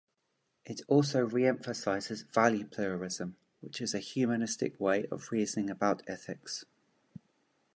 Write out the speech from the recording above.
It also re-emphasises value-pluralism, which is a humanistic way of reasoning about ethics.